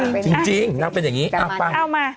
น่าเป็นจริงน่าเป็นอย่างนี้เอ้ามา